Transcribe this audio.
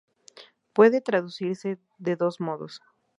Puede traducirse de dos modos.